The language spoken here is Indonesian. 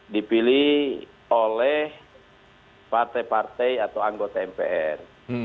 dipilih oleh partai partai atau anggota mpr